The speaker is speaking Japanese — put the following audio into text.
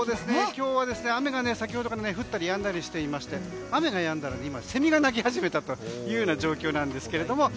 今日は雨が先ほどから降ったりやんだりしていまして雨がやんだらセミが鳴き始めたという状況なんですけれども。